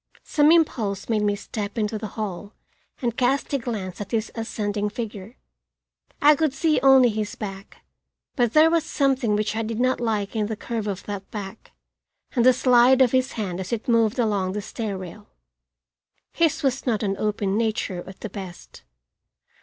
Some impulse made me step into the hall and cast a glance at his ascending figure. I could see only his back, but there was something which I did not like in the curve of that back and the slide of his hand as it moved along the stair rail. His was not an open nature at the best.